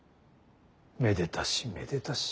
めでたしめでたし。